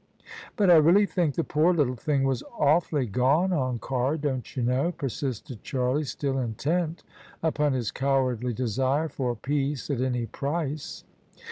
"But I really think the poor little thing was awfully gone on Carr, don't you know?" persisted Charlie, still intent upon his cowardly desire for peace at any price.